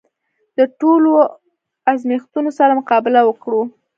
د ټولو ازمېښتونو سره مقابله وکړو.